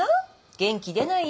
元気出ないよ。